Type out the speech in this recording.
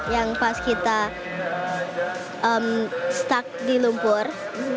yang pas kita stuck di lumpur